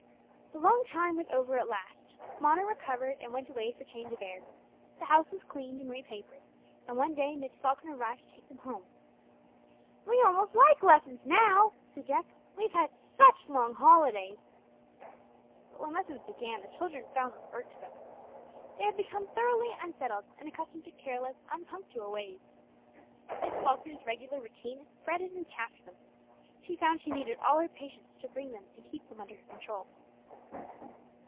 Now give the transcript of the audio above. The long time was over at last. Mona recovered and went away for change of air; the house was cleaned and re papered, and one day Miss Falkner arrived to take them home. "We almost like lessons now," said Jack. "We've had such long holidays." But when lessons began the children found them irksome. They had become thoroughly unsettled, and accustomed to careless, unpunctual ways. Miss Falkner's regular routine fretted and chafed them. She found she needed all her patience to bring them and keep them under her control.